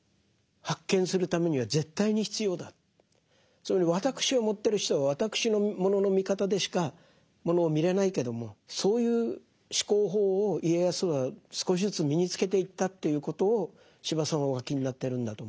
そういうふうに私を持ってる人は私のものの見方でしかものを見れないけどもそういう思考法を家康は少しずつ身につけていったということを司馬さんはお書きになってるんだと思います。